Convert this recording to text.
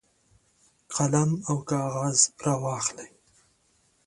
قلم او کاغذ راواخلئ.